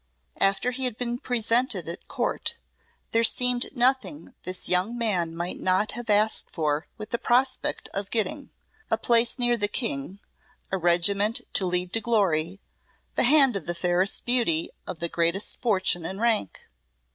After he had been presented at Court there seemed nothing this young man might not have asked for with the prospect of getting a place near the King, a regiment to lead to glory, the hand of the fairest beauty of the greatest fortune and rank.